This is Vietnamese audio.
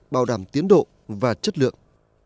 bảo đảm tiến độ và chất lượng